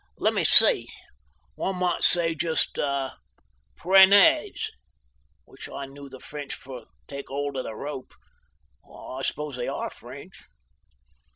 "Lemme see! One might say just 'Pre'nez'! Wish I knew the French for take hold of the rope!... I suppose they are French?"